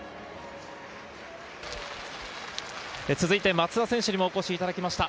松田選手にお越しいただきました。